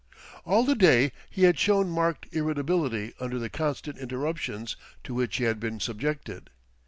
All the day he had shown marked irritability under the constant interruptions to which he had been subjected.